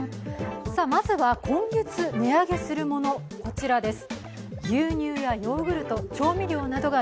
まずは今月、値上げするものこちらです。